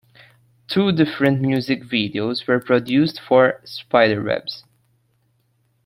Two different music videos were produced for "Spiderwebs".